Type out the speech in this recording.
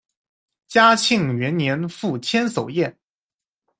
嘉庆元年赴千叟宴。